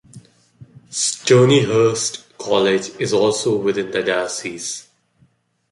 Stonyhurst College is also within the diocese.